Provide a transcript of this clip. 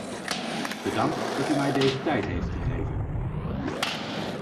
Bedankt dat u mij deze tijd hebt gegeven.